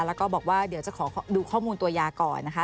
แล้วก็บอกว่าเดี๋ยวจะขอดูข้อมูลตัวยาก่อนนะคะ